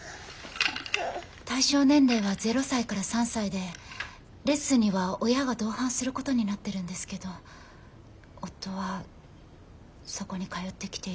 対象年齢は０歳から３歳でレッスンには親が同伴することになってるんですけど夫はそこに通ってきているママと関係を持っているみたいなんです。